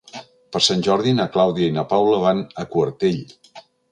Per Sant Jordi na Clàudia i na Paula van a Quartell.